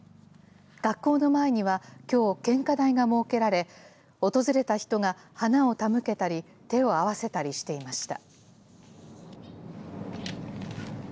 学校の前には、きょう、献花台が設けられ、訪れた人が花を手向けたり、手を合わせたりしていました。